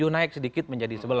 naik sedikit menjadi sebelas